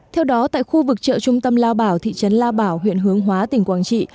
theo đó tại khu vực chợ trung tâm lao bảo thị trấn lao bảo huyện hướng hóa tỉnh quảng trị